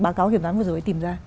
báo cáo kiểm toán vừa rồi tìm ra